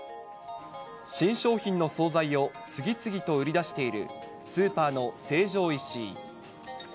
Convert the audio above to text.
新商品の総菜を、次々と売り出しているスーパーの成城石井。